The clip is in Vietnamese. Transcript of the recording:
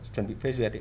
chuẩn bị phê duyệt